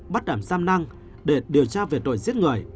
bắt đảm giam năng để điều tra về tội giết người